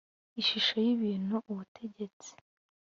ishusho y ibintu ubutegetsi